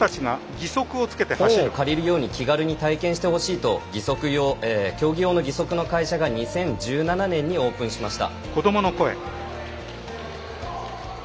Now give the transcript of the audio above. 本を借りるように気軽に体験してほしいと競技用の義足の会社が２０１７年にオープンしました。